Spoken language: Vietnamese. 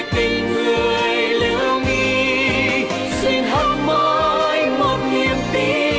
xin chào tạm biệt